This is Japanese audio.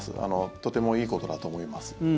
とてもいいことだと思います。